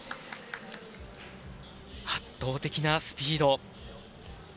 圧倒的なスピード。